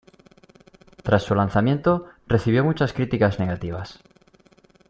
Tras su lanzamiento recibió muchas críticas negativas.